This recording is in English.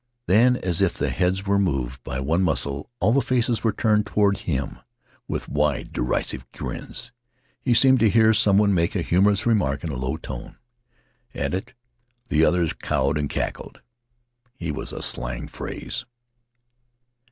Then, as if the heads were moved by one muscle, all the faces were turned toward him with wide, derisive grins. He seemed to hear some one make a humorous remark in a low tone. At it the others all crowed and cackled. He was a slang phrase.